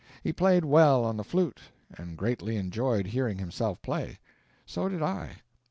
He played well on the flute, and greatly enjoyed hearing himself play. So did I.